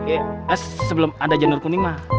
eh eh sebelum ada janur kuning mah